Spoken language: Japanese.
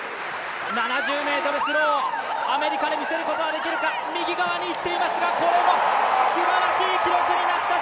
スローアメリカで見せることができるか右側にいっていますが、これはすばらしい記録になった。